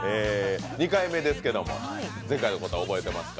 ２回目ですけども、前回のことは覚えてますか？